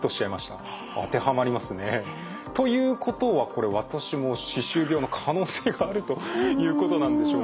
当てはまりますね。ということはこれ私も歯周病の可能性があるということなんでしょうね。